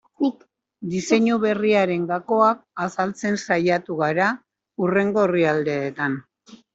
Diseinu berriaren gakoak azaltzen saiatu gara hurrengo orrialdeetan.